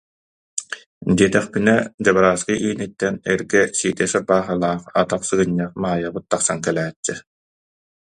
диэтэхпитинэ, дьабарааскы ииниттэн эргэ сиидэс ырбаахылаах атах сыгынньах Маайабыт тахсан кэлээччи